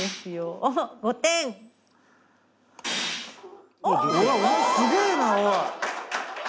お前すげえなおい！